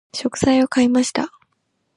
食材を買いました。